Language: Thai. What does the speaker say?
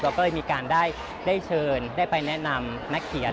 เราก็เลยมีการได้เชิญได้ไปแนะนำนักเขียน